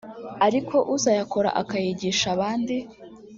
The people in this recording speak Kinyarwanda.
ariko uzayakora akayigisha abandi